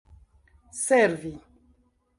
servi